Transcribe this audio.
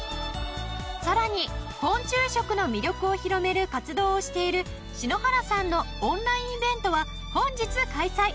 さらに昆虫食の魅力を広める活動をしている篠原さんのオンラインイベントは本日開催！